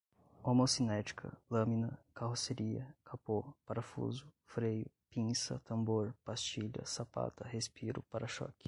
homocinética, lâmina, carroceria, capô, parafuso, freio, pinça, tambor, pastilha, sapata, respiro, pára-choque